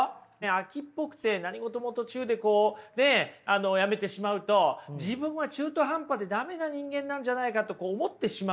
飽きっぽくて何事も途中でこうねやめてしまうと自分は中途半端で駄目な人間なんじゃないかって思ってしまうんですよね。